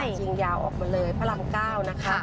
ยิงยาวออกมาเลยพระราม๙นะคะ